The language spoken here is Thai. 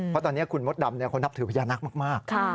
เพราะตอนนี้คุณมดดำเขานับถือพญานาคมาก